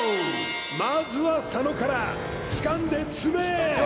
まずは佐野からつかんで積め！